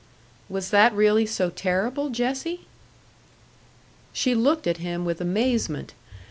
"Was that really so terrible, Jessie?" She looked at him with amazement.